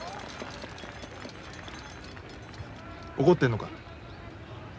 怒ってるのか。